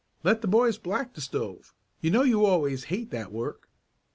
"Let the boys black the stove. You know you always hate that work."